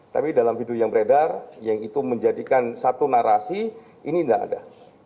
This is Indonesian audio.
tapi dalam video yang beredar yang itu menjadikan satu narasi ini tidak ada